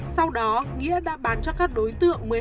sau đó nghĩa đã bán cho các đối tượng